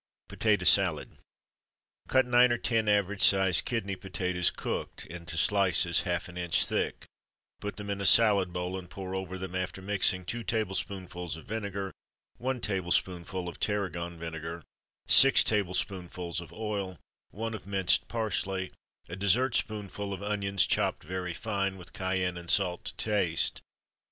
Potato Salad. Cut nine or ten average sized kidney potatoes (cooked) into slices, half an inch thick, put them in a salad bowl, and pour over them, after mixing, two tablespoonfuls of vinegar, one tablespoonful of tarragon vinegar, six tablespoonfuls of oil, one of minced parsley, a dessert spoonful of onions chopped very fine, with cayenne and salt to taste.